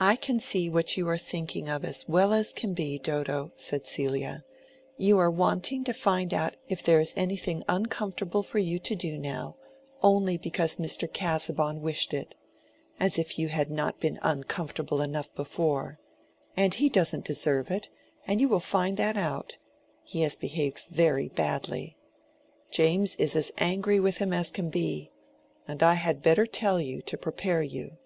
"I can see what you are thinking of as well as can be, Dodo," said Celia. "You are wanting to find out if there is anything uncomfortable for you to do now, only because Mr. Casaubon wished it. As if you had not been uncomfortable enough before. And he doesn't deserve it, and you will find that out. He has behaved very badly. James is as angry with him as can be. And I had better tell you, to prepare you."